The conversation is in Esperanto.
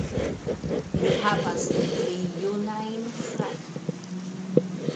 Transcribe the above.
Li havas du pli junajn fratojn.